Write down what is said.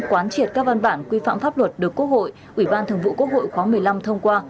quán triệt các văn bản quy phạm pháp luật được quốc hội ủy ban thường vụ quốc hội khóa một mươi năm thông qua